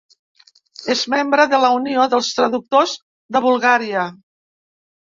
És membre de la Unió dels Traductors de Bulgària.